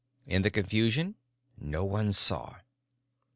In the confusion no one saw.